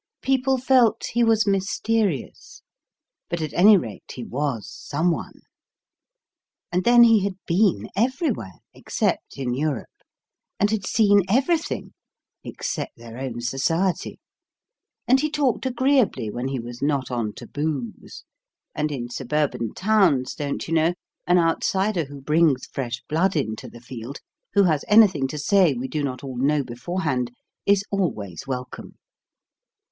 People felt he was mysterious, but at any rate he was Someone. And then he had been everywhere except in Europe; and had seen everything except their own society: and he talked agreeably when he was not on taboos: and in suburban towns, don't you know, an outsider who brings fresh blood into the field who has anything to say we do not all know beforehand is always welcome!